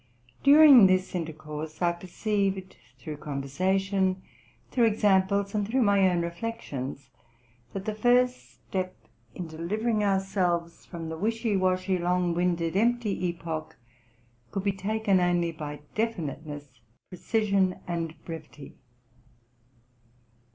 During this intercourse, I perceived through conversation, through examples, and through my own reflections, that the 5 first step in delivering ourselves from the wishy washy, long winded, empty epoch, could be taken only by definite ness, precision, and brevity.